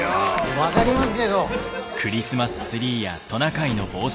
分がりますけど。